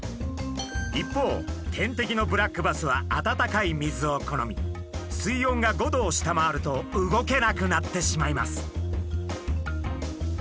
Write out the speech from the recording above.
一方天敵のブラックバスは温かい水を好み水温が５℃を下回ると動けなくなってしまいます。